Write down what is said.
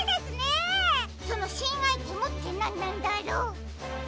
そのしんアイテムってなんなんだろう？